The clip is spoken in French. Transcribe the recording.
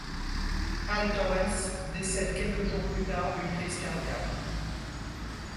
Al Torres décède quelques jours plus tard d'une crise cardiaque.